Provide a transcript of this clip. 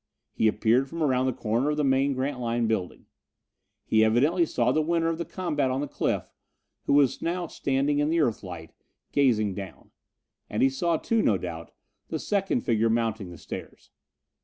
He appeared from around the corner of the main Grantline building. He evidently saw the winner of the combat on the cliff, who now was standing in the Earthlight, gazing down. And he saw, too, no doubt, the second figure mounting the stairs.